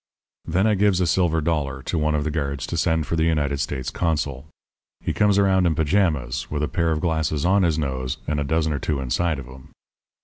"Then I gives a silver dollar to one of the guards to send for the United States consul. He comes around in pajamas, with a pair of glasses on his nose and a dozen or two inside of him.